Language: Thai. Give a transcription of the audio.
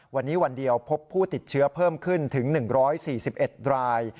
วันนี้วันเดียวพบผู้ติดเชื้อเพิ่มขึ้นถึง๑๔๑ราย